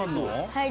「はい。